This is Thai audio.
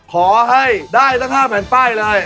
ขอให้ได้สัก๕แผ่นป้ายเลย